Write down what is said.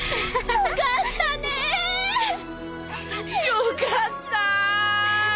よかったぁ！